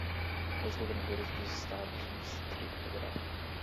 os governadores dos Estados e do Distrito Federal;